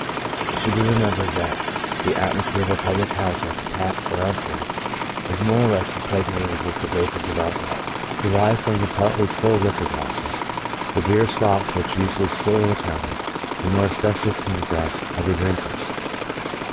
It should be remembered that the atmosphere of a public house, at the tap and elsewhere, is more or less im pregnated with the vapors of alcohol, derived from the I 2 ON THE ACTION OF partly full liquor glasses, the beer slops which usually soil the counter, and more especially from the breath of the drinkers.